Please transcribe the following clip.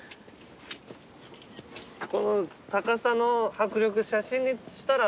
この高さの迫力写真にしたら。